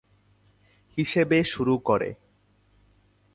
হিসেবে শুরু করে।